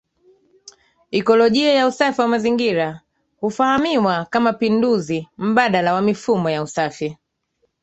Ikolojia ya usafi wa mazingira hufahamiwa kama pinduzi mbadala wa mifumo ya usafi